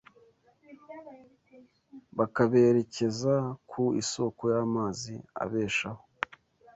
bakaberekeza ku isoko y’amazi abeshaho